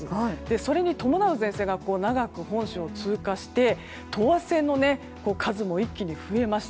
それに伴う前線が長く本州を通過して等圧線の数も一気に増えました。